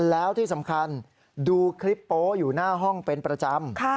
แล้วที่สำคัญดูคลิปโป๊อยู่หน้าห้องเป็นประจำ